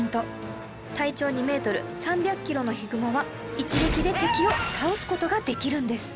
体長２メートル３００キロのヒグマは一撃で敵を倒す事ができるんです